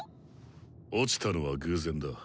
落ちたのは偶然だ。